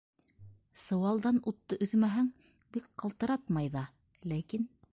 Сыуалдан утты өҙмәһәң бик ҡалтыратмай ҙа, ләкин...